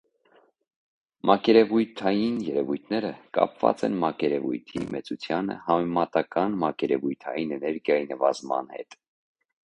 Մակերևութային երևույթները կապված են մակերևույթի մեծությանը համեմատական մակերևութային էներգիայի նվազման հետ։